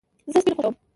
زه سپین خوښوم